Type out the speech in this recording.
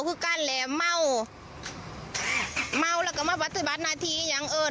คือการแหลมเมาเมาแล้วกันมาบัตรเจ้าบัตรนาทีอย่างเอิญ